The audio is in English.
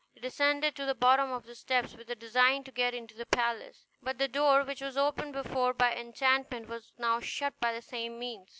He descended to the bottom of the steps, with a design to get into the palace, but the door, which was opened before by enchantment, was now shut by the same means.